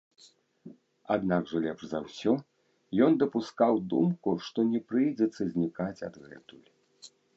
Аднак жа лепш за ўсё ён дапускаў думку, што не прыйдзецца знікаць адгэтуль.